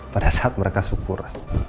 pada saat mereka syukur